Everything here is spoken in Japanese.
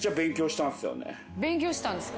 勉強したんですか？